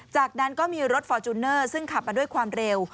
จากนั้นก็มีรถฟอร์จูเนอร์ซึ่งขับมาด้วยความเร็ว